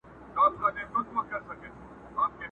o پر آس، ښځي او توري باور مه کوه!